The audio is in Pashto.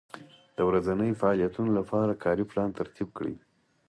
د ورځنیو فعالیتونو لپاره کاري پلان ترتیب کړئ.